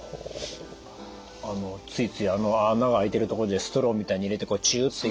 あのついついあの孔があいてるところでストローみたいに入れてチュって。